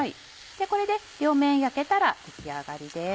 これで両面焼けたら出来上がりです。